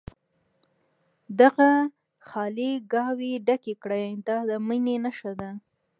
دغه خالي ګاوې ډکې کړي دا د مینې نښه ده.